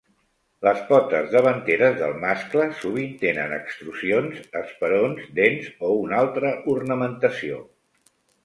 Les potes davanteres del mascle sovint tenen extrusions, esperons, dents o una altra ornamentació.